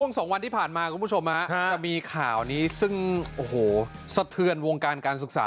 สองวันที่ผ่านมาคุณผู้ชมจะมีข่าวนี้ซึ่งโอ้โหสะเทือนวงการการศึกษา